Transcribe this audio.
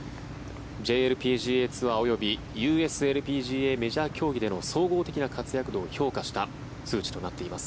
ＪＬＰＧＡツアー及びＵＳＬＰＧＡメジャー競技での総合的な活躍度を評価した数値となっています。